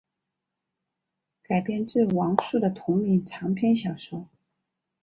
改编自王朔的同名长篇小说。